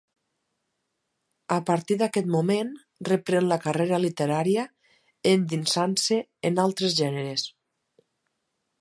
A partir d'aquest moment reprèn la carrera literària endinsant-se en altres gèneres.